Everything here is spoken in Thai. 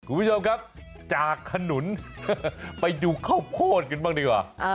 คุณผู้ชมครับจากขนุนไปดูข้าวโพดกันบ้างดีกว่า